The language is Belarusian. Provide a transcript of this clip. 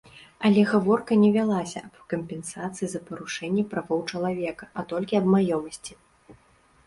Але гаворка не вялася аб кампенсацыі за парушэнне правоў чалавека, а толькі аб маёмасці.